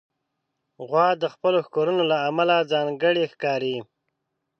غوا د خپلو ښکرونو له امله ځانګړې ښکاري.